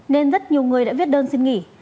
nên rất nhiều người đã viết đơn xin nghỉ